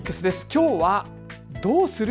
きょうはどうする？